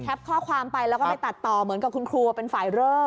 ข้อความไปแล้วก็ไปตัดต่อเหมือนกับคุณครูเป็นฝ่ายเริ่ม